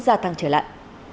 gia tăng trở lại